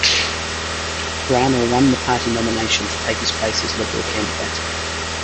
Brownell won the party nomination to take his place as Liberal candidate.